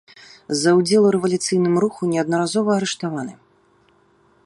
За ўдзел у рэвалюцыйным руху неаднаразова арыштаваны.